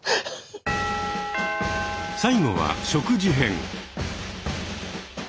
最後は食事編。